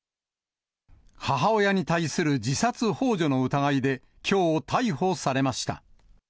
母親に対する自殺ほう助の疑いで、きょう逮捕されました。